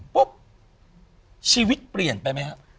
ปุ๊บชีวิตเปลี่ยนไปไหมฮะ